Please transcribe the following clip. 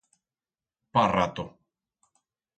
Pa rato!